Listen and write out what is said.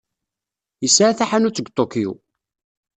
Yesɛa taḥanut deg Tokyo.